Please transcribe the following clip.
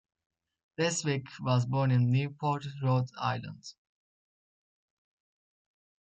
Bestwick was born in Newport, Rhode Island.